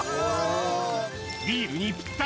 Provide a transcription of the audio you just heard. ビールにぴったり！